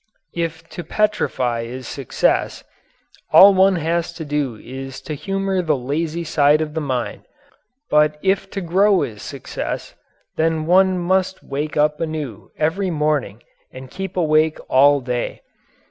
If to petrify is success all one has to do is to humour the lazy side of the mind but if to grow is success, then one must wake up anew every morning and keep awake all day.